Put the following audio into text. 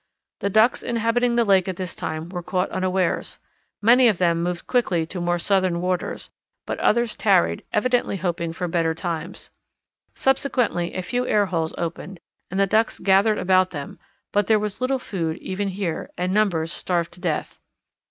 The Ducks inhabiting the lake at this time were caught unawares. Many of them moved quickly to more Southern waters, but others tarried, evidently hoping for better times. Subsequently a few air holes opened and the Ducks gathered about them, but there was little food even here, and numbers starved to death.